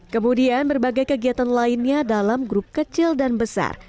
kemudian berbagai kegiatan lainnya dalam grup kecil dan besar